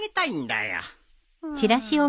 うん